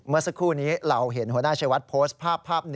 เมื่อสักครู่นี้เราเห็นหัวหน้าชัยวัดโพสต์ภาพภาพ๑